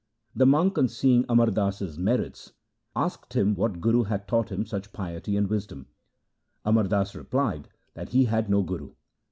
The monk on seeing Amar Das's merits asked him what guru had taught him such piety and wisdom. Amar Das replied that he had no guru.